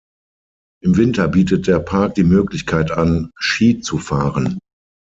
Im Winter bietet der Park die Möglichkeit an, Ski zu fahren.